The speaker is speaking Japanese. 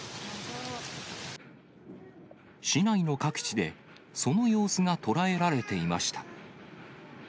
市内の各地で、その様子が捉えられていました。